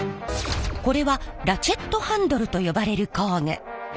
これはラチェットハンドルと呼ばれる工具。